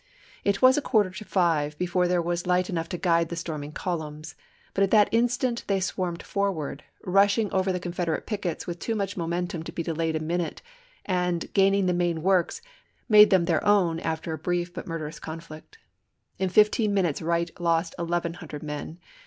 It was a quarter to five before there APi. 2, i8«j. was light enough to guide the storming columns ; but at that instant they swarmed forward, rush ing over the Confederate pickets with too much momentum to be delayed a minute, and, gaining the main works, made them their own after a brief but murderous conflict. In fifteen minutes Wright lost eleven hundred men.